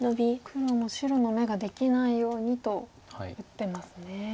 黒も白の眼ができないようにと打ってますね。